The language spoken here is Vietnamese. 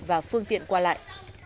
và phương tiện qua lại